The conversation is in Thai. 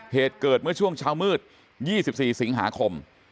เหตุเกิดเมื่อช่วงเช้ามืด๒๔สิงหาคม